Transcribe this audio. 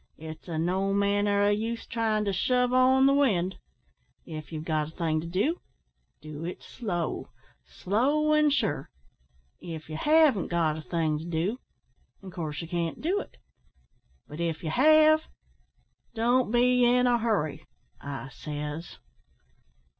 It's o' no manner o' use tryin' to shove on the wind. If ye've got a thing to do, do it slow slow an' sure. If ye haven't got a thing to do, in coorse ye can't do it, but if ye have, don't be in a hurry I says."